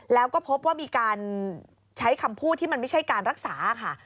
แล้วก็พบว่ามีการใช้คำพูดที่มันไม่ใช่การรักษาค่ะ